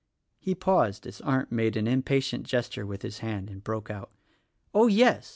He paused as Arndt made an impatient gesture with his hand and broke out, "Oh, yes!